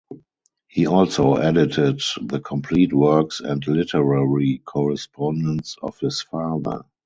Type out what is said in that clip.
He also edited the complete works and literary correspondence of his father.